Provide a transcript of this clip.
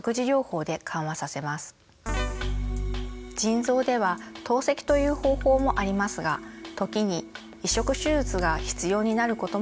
腎臓では透析という方法もありますが時に移植手術が必要になることもあります。